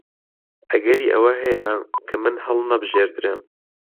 ئەگەری ئەوە هەیە کە من هەڵنەبژێردرێم.